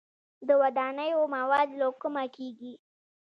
د ودانیو مواد له کومه کیږي؟